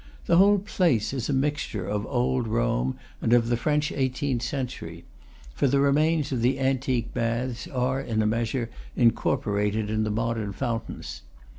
The whole place is a mixture of old Rome and of the French eighteenth century; for the remains of the antique baths are in a measure incorporated in the modern fountains.